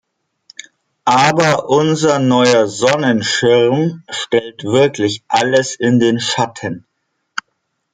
Aber unser neuer Sonnenschirm stellt wirklich alles in den Schatten!